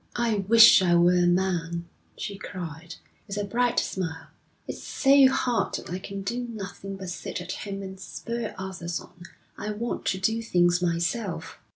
'I wish I were a man,' she cried, with a bright smile. 'It's so hard that I can do nothing but sit at home and spur others on. I want to do things myself.'